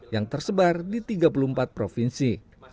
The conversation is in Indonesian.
yang tersebar di tiga puluh empat provinsi